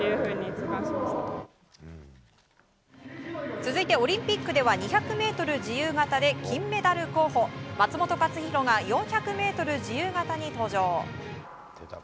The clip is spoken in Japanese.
続いて、オリンピックでは２００ｍ自由形で金メダル候補松元克央が４００ｍ自由形に登場。